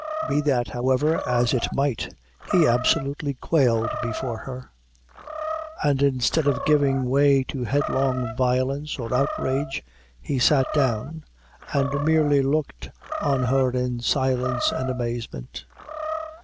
Be that, however, as it might, he absolutely quailed before her; and instead of giving way to headlong violence or outrage, he sat down, and merely looked on her in silence and amazement.